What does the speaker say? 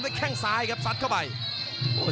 กำปั้นขวาสายวัดระยะไปเรื่อย